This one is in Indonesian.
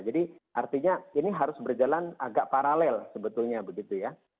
jadi artinya ini harus berjalan agak paralel sebetulnya begitu ya